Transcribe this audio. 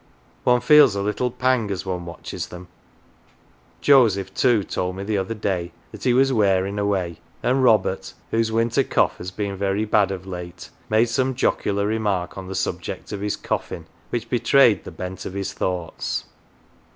One feels a little pang as one watches them. Joseph, too, told me the other day that he was " wearm' away ;" and Robert, whose " winter cough"" has been very bad of late made some jocular remark on the subject of his coffin, which betrayed the bent of his thoughts.